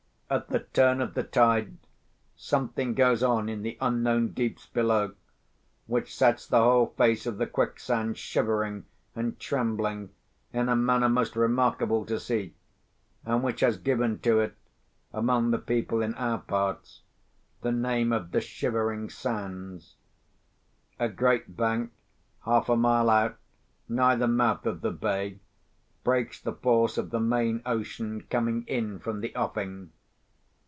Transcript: At the turn of the tide, something goes on in the unknown deeps below, which sets the whole face of the quicksand shivering and trembling in a manner most remarkable to see, and which has given to it, among the people in our parts, the name of the Shivering Sand. A great bank, half a mile out, nigh the mouth of the bay, breaks the force of the main ocean coming in from the offing.